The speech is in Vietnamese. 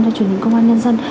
cho truyền hình công an nhân dân